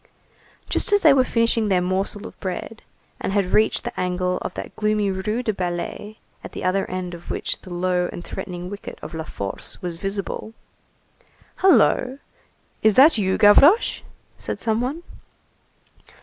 Just as they were finishing their morsel of bread, and had reached the angle of that gloomy Rue des Ballets, at the other end of which the low and threatening wicket of La Force was visible:— "Hullo, is that you, Gavroche?" said some one.